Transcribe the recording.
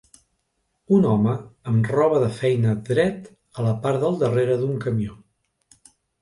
Un home amb roba de feina dret a la part del darrere d'un camió.